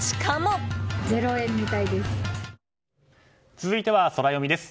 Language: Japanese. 続いてはソラよみです。